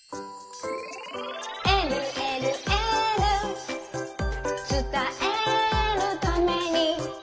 「えるえるエール」「つたえるために」